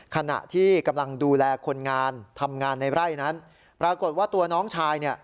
ขณะที่กำลังดูแลคนงานทำงานในไร่นั้นปรากฏว่าตัวน้องชายเนี่ย